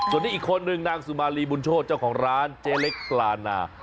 ส่วนนี้อีกคนนึงนางสุมารีบุญโชธเจ้าของร้านเจ๊เล็กปลานา